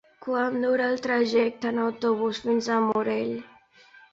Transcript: Quant dura el trajecte en autobús fins al Morell?